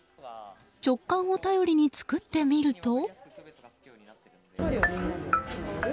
直感を頼りに作ってみると。